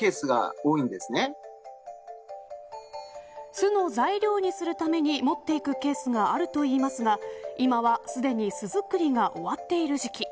巣の材料にするために持っていくケースがあるといいますが今はすでに巣作りが終わっている時期。